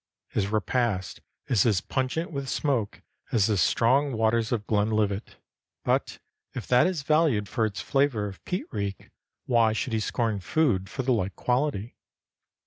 His repast is as pungent with smoke as the strong waters of Glenlivat, but if that is valued for its flavor of peat reek, why should he scorn food for the like quality?